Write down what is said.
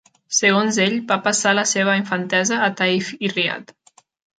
Segons ell, va passar la seva infantesa a Taïf i Riad.